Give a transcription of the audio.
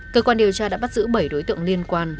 cơ quan điều tra đã bắt giữ bảy đối tượng liên quan